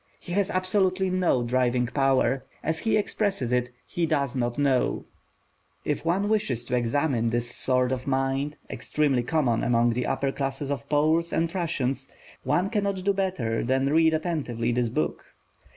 He has absolutely no driving power; as he expresses it, he does not know. If one wishes to examine this sort of mind, extremely common among the upper classes of Poles and Russians, one cannot do better than read attentively this book.